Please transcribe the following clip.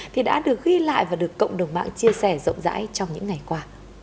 thì đã được ghi lại và được cộng đồng mạng chia sẻ rộng rãi trong những ngày qua